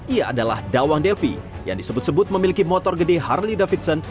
ia adalah dawang delvi yang disebut sebut memiliki motor gede harley davidson